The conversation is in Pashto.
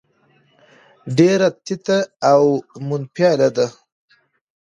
ډېره تته او منفعله ده.